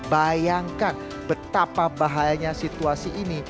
bayangkan betapa bahayanya situasi ini